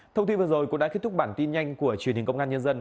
thông tin vừa rồi cũng đã kết thúc bản tin nhanh của truyền hình công an nhân dân